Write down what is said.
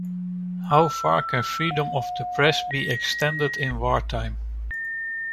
How far can freedom of the press be extended in wartime?